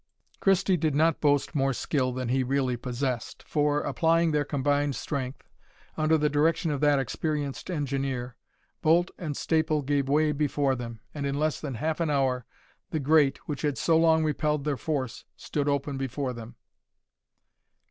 Christie did not boast more skill than he really possessed; for, applying their combined strength, under the direction of that experienced engineer, bolt and staple gave way before them, and in less than half an hour, the grate, which had so long repelled their force, stood open before them.